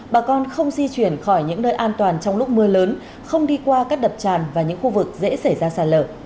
bà con không di chuyển khỏi những nơi an toàn trong lúc mưa lớn không đi qua các đập tràn và những khu vực dễ xảy ra sạt lở